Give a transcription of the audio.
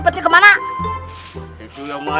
selasi selasi bangun